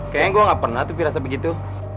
kayaknya gue gak pernah tuh firasa begitu